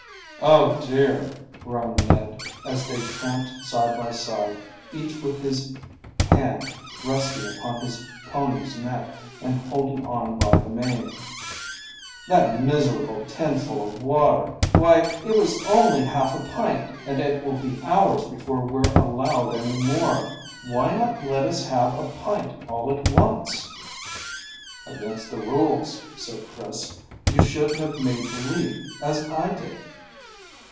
"Oh dear!" groaned Ned, as they tramped side by side, each with his hand resting upon his pony's neck and holding on by the mane. "That miserable tinful of water! Why, it was only half a pint, and it will be hours before we're allowed any more. Why not let us have a pint all at once?" "Against the rules," said Chris. "You should have made believe, as I did."